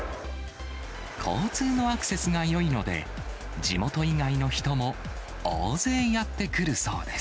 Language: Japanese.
交通のアクセスがよいので、地元以外の人も大勢やって来るそうです。